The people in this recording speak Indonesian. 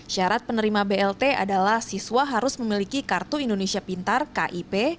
syarat penerima blt adalah siswa harus memiliki kartu indonesia pintar kip